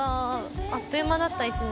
あっという間だった一日。